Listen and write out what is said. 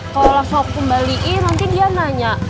kalau langsung aku kembalikan nanti dia nanya